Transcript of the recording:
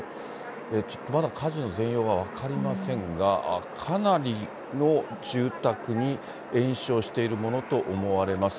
ちょっとまだ火事の全容が分かりませんが、かなりの住宅に延焼しているものと思われます。